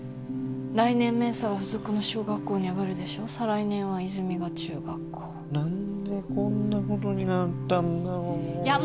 来年明紗は附属の小学校に上がるでしょ再来年は泉実が中学校何でこんなことになったんだろういや